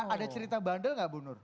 ada cerita bandel nggak bu nur